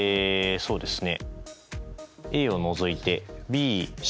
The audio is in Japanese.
そうですね。